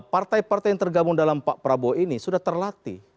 partai partai yang tergabung dalam pak prabowo ini sudah terlatih